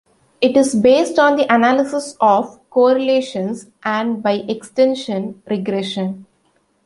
It is based on the analysis of correlations and, by extension, regression.